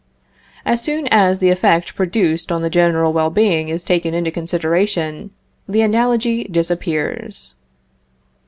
As soon as the effect produced on the general well being is taken into consideration, the analogy disappears.